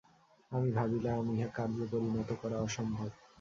আমি ভাবিলাম, ইহা কার্যে পরিণত করা অসম্ভব।